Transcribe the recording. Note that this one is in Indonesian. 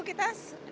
kita nabuk sepeda